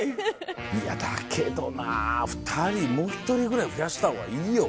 いや、だけどな、２人、もう１人ぐらい増やしたほうがいいよ。